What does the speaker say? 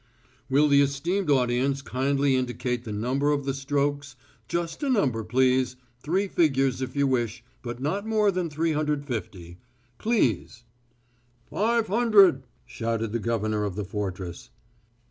"Will the esteemed audience kindly indicate the number of the strokes.... Just a number, please ... three figures if you wish, but not more than 350. Please...." "Five hundred," shouted the governor of the fortress.